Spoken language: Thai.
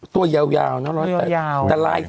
ตัวนี้ไม่เงียบหนูตัวนี้หายุก